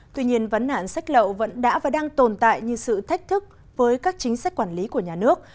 tuy nhiên vấn nạn sách lậu vẫn đã và đang tồn tại như sự thách thức với các chính sách quản lý của nhà nước